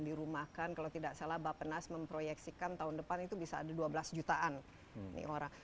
dirumahkan kalau tidak salah bapak nas memproyeksikan tahun depan itu bisa ada dua belas jutaan orang